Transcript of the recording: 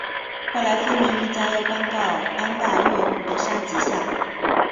后来芬尼一家又搬到安大略湖的沙吉港。